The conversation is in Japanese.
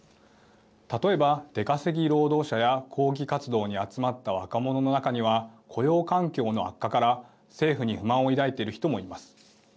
例えば出稼ぎ労働者や抗議活動に集まった若者の中には雇用環境の悪化から政府に不満を抱いている人もいます。